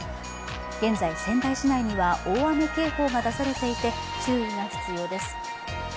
現在、仙台市内には大雨警報が出されていて注意が必要です。